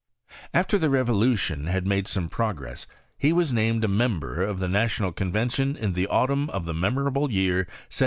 After the revolution had made some progress, he was named a member of the National Convention in the autumn of the memorable year 1793.